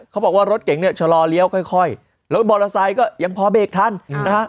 เขาบอกว่ารถเก่งเนี่ยชะลอเลี้ยวค่อยรถมอเตอร์ไซค์ก็ยังพอเบรกทันนะฮะ